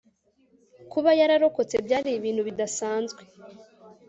Kuba yararokotse byari ibintu bidasanzwe